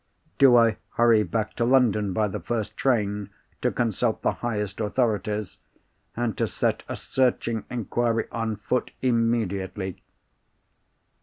Do I hurry back to London by the first train to consult the highest authorities, and to set a searching inquiry on foot immediately?